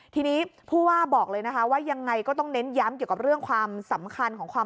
ทีนี้ผู้ว่าบอกเลยว่ายังไงก็ต้องเน้นย้ำ